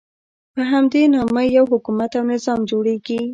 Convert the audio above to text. په همدې نامه یو حکومت او نظام جوړېږي.